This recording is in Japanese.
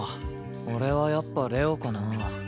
俺はやっぱ玲王かなあ。